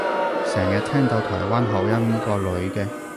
成日聽到台灣口音個女嘅